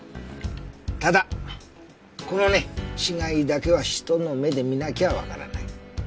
ただこのね違いだけは人の目で見なきゃわからない。